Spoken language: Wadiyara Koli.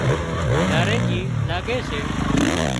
ناريڄي لاڳي سي